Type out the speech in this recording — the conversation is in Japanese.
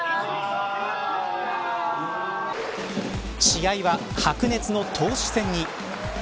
試合は、白熱の投手戦に。